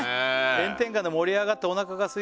「炎天下で盛り上がっておなかがすいたので」